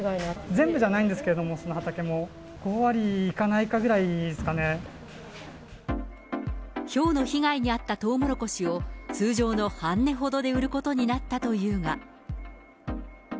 全部じゃないんですけど、畑も、５割いかないかぐらいですかひょうの被害に遭ったトウモロコシを、通常の半値ほどで売ることになったというが。